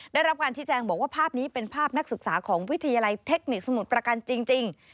ได้รับการชี้แจงบอกว่าภาพนี้เป็นภาพนักศึกษาของวิทยาลัยเทคนิคสมุทรประการจริง